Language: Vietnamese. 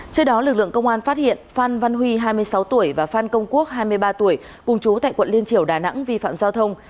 trước đó lực lượng công an phát hiện phan văn huy hai mươi sáu tuổi và phan công quốc hai mươi ba tuổi cùng chú tại quận liên triều đà nẵng vi phạm giao thông